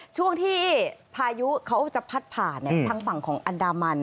ช่วงที่พายุเขาจะพัดผ่านทางฝั่งของอันดามัน